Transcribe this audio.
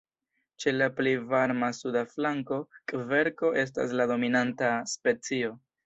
Ĉe la pli varma suda flanko kverko estas la dominanta specio.